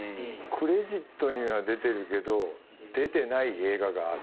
クレジットには出てるけど出てない映画がある。